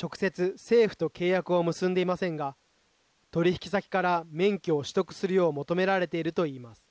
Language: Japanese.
直接政府と契約を結んでいませんが取引先から免許を取得するよう求められていると言います。